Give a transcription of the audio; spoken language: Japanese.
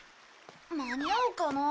間に合うかな？